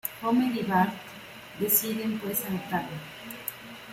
Homer y Bart deciden, pues, adoptarlo.